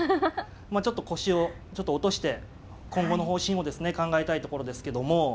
まあちょっと腰を落として今後の方針をですね考えたいところですけども。